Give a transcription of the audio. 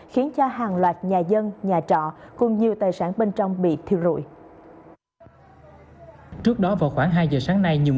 thì còn thể hiện văn hóa văn minh